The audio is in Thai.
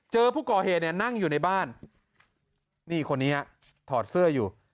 เจอผู้ก่อเหตุเนี่ยนั่งอยู่ในบ้านนี่คนนี้ฮะถอดเสื้ออยู่